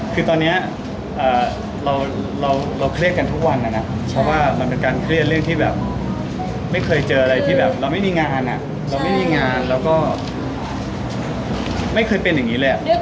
คือตอนนี้เราเครียดกันทุกวันนะนะเพราะว่ามันเป็นการเครียดเรื่องที่แบบไม่เคยเจออะไรที่แบบเราไม่มีงานเราไม่มีงานแล้วก็ไม่เคยเป็นอย่างนี้เลย